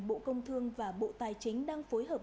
bộ công thương và bộ tài chính đang phối hợp